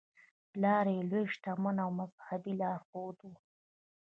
پلار یې لوی شتمن او مذهبي لارښود و.